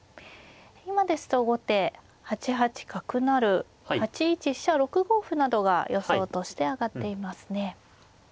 今ですと後手８八角成８一飛車６五歩などが予想として挙がっていますね。